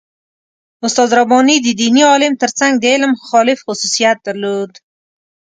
استاد رباني د دیني عالم تر څنګ د علم مخالف خصوصیت درلود.